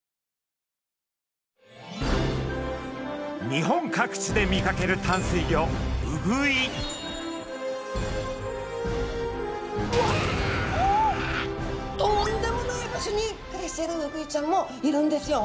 日本各地で見かける淡水魚とんでもない場所に暮らしているウグイちゃんもいるんですよ！